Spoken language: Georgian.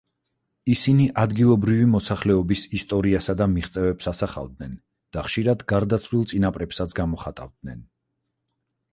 ისინი ადგილობრივი მოსახლეობის ისტორიასა და მიღწევებს ასახავენ და ხშირად გარდაცვლილ წინაპრებსაც გამოხატავდნენ.